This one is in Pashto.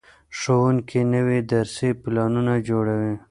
ښوونکي نوي درسي پلانونه جوړوي.